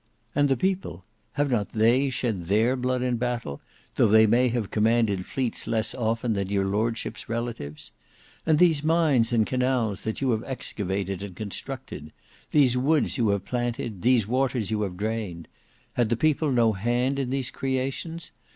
And the people, have not they shed their blood in battle, though they may have commanded fleets less often than your lordship's relatives? And these mines and canals that you have excavated and constructed, these woods you have planted, these waters you have drained—had the people no hand in these creations?